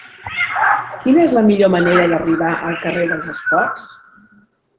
Quina és la millor manera d'arribar al carrer dels Esports?